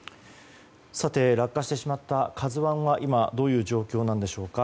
落下してしまった「ＫＡＺＵ１」は今どういう状況なんでしょうか。